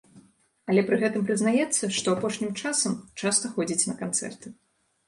Але пры гэтым прызнаецца, што апошнім часам часта ходзіць на канцэрты.